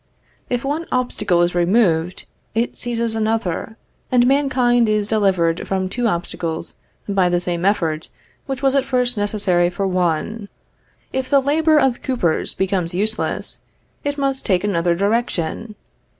_ If one obstacle is removed, it seizes another, and mankind is delivered from two obstacles by the same effort which was at first necessary for one. If the labor of coopers becomes useless, it must take another direction.